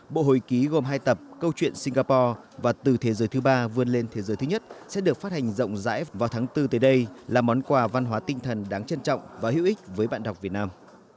bộ hồi ký gồm hai tập câu chuyện singapore và từ thế giới thứ ba vươn lên thế giới thứ nhất sẽ được phát hành rộng rãi vào tháng bốn tới đây là món quà văn hóa tinh thần đáng trân trọng và hữu ích với bạn đọc việt nam